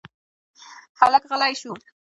هلک غلی شو.